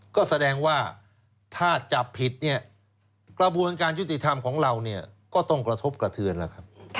ก็แสดงว่าถ้าจับผิดเนี่ยกระบวนการยุติธรรมของเราเนี่ยก็ต้องกระทบกระเทือนแล้วครับ